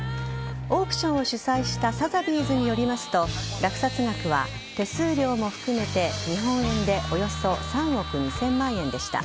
オークションを主催したサザビーズによりますと落札額は手数料も含めて日本円でおよそ３億２０００万円でした。